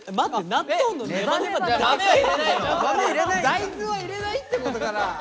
大豆は入れないってことかな？